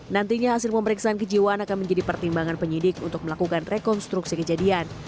nantinya hasil pemeriksaan kejiwaan akan menjadi pertimbangan penyidik untuk melakukan rekonstruksi kejadian